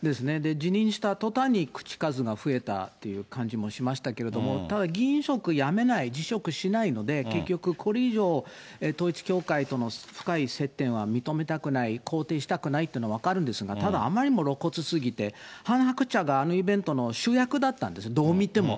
辞任したとたんに口数が増えたという感じもしましたけれども、ただ議員職辞めない、辞職しないので、結局、これ以上、統一教会との深い接点は認めたくない、肯定したくないというのは分かるんですが、ただ、あまりにも露骨すぎて、ハン・ハクチャがあのイベントの主役だったんですね、どう見ても。